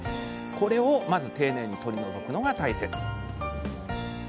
これをまず丁寧に取り除くのが大切。